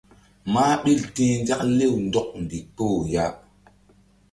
Mah ɓil ti̧h nzak lew ndɔk ndikpoh ya.